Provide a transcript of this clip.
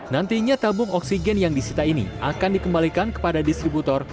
nantinya tabung oksigen yang disita ini akan dikembalikan kepada distributor